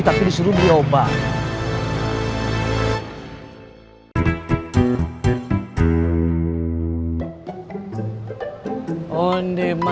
tiba tiba suruh suruh untuk beliin nyawa